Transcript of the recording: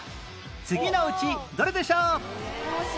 次のうちどれでしょう？